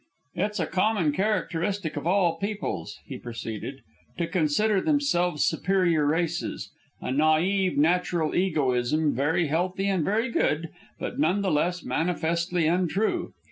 "It's a common characteristic of all peoples," he proceeded, "to consider themselves superior races, a naive, natural egoism, very healthy and very good, but none the less manifestly untrue.